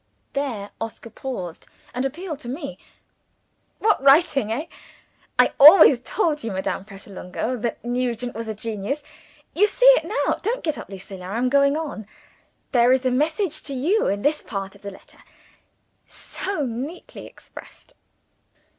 '" There Oscar paused, and appealed to me. "What writing! eh? I always told you, Madame Pratolungo, that Nugent was a genius. You see it now. Don't get up, Lucilla. I am going on. There is a message to you in this part of the letter. So neatly expressed!"